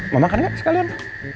mau makan gak sekalian